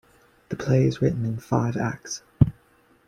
The play is written in five acts.